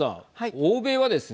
欧米はですね